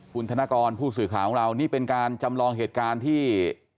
คุณธนกรผู้สื่อข่าวของเรานี่เป็นการจำลองเหตุการณ์ที่